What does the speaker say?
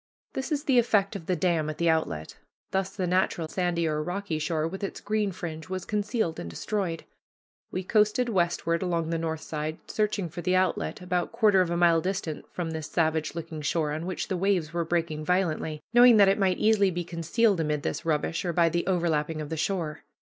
This is the effect of the dam at the outlet. Thus the natural sandy or rocky shore, with its green fringe, was concealed and destroyed. We coasted westward along the north side, searching for the outlet, about quarter of a mile distant from this savage looking shore, on which the waves were breaking violently, knowing that it might easily be concealed amid this rubbish, or by the overlapping of the shore.